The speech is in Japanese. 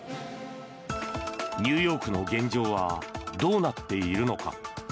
ニューヨークの現状はどうなっているのか。